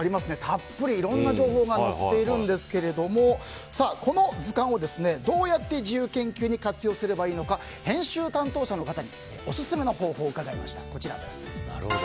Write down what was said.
たっぷりいろんな情報が載っているんですけどもこの図鑑をどうやって自由研究に活用すればいいのか編集担当者の方にオススメの方法を伺いました。